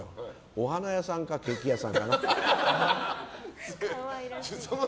お花屋さんかケーキ屋さんかな。